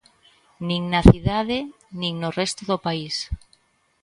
Nin na cidade nin no resto do país.